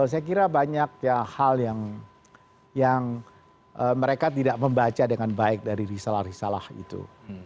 saya kira banyak hal yang mereka tidak membaca dengan baik dari risalah risalah itu